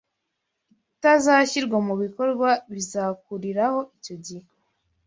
itazashyirwa mu bikorwa bizakuriraho icyo gihe